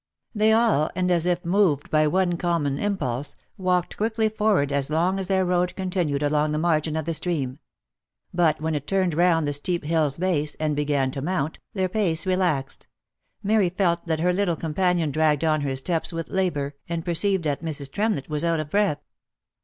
They all, and as if moved by one common impulse, walked quickly 264 THE LIFE AND ADVENTURES forward as long as their road continued along the margin of the stream ; but when it turned round the steep hill's base, and began to mount, their pace relaxed, Mary felt that her little companion dragged on her steps with labour, and perceived that Mrs. Tremlett was out of breath.